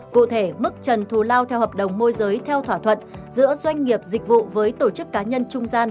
cụ thể mức trần thù lao theo hợp đồng môi giới theo thỏa thuận giữa doanh nghiệp dịch vụ với thủ tướng